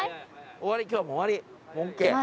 終わり今日はもう終わり。